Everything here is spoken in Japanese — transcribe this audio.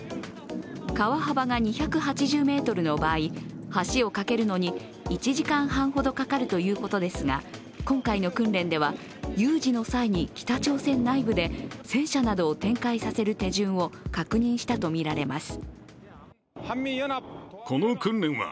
川幅が２８０ｍの場合橋を架けるのに１時間半ほどかかるということですが、今回の訓練では有事の際に北朝鮮内部で戦車などを展開させる手順を確認したとみられます。